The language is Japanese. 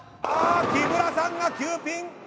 あ木村さんが９ピン。